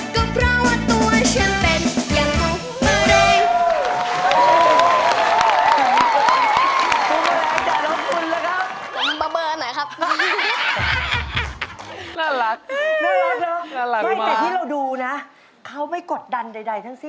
ก็เพราะว่าตัวฉันเป็นยังภูมิแรง